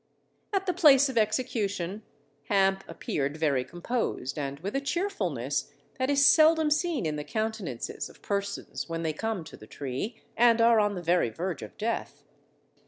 At the place of execution, Hamp appeared very composed and with a cheerfulness that is seldom seen in the countenances of persons when they come to the tree, and are on the very verge of death.